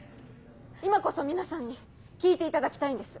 今こそ皆さんに聞いていただきたいんです。